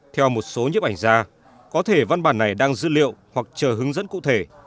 theo một số nhiếp ảnh gia có thể văn bản này đang dữ liệu hoặc chờ hướng dẫn cụ thể